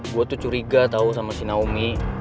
gue tuh curiga tau sama si naomi